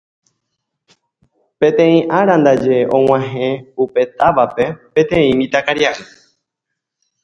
Peteĩ ára ndaje og̃uahẽ upe távape peteĩ mitãkaria'y